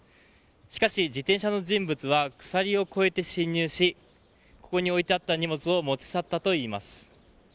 しかし自転車の人物は鎖を越えて侵入しここに置いてあった荷物を持ち去ったといいます。